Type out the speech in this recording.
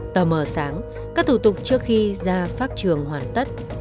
tờ mờ sáng các thủ tục trước khi ra pháp trường hoàn tất